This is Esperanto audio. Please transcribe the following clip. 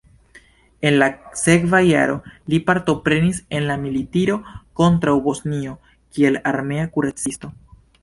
En la sekva jaro li partoprenis en la militiro kontraŭ Bosnio kiel armea kuracisto.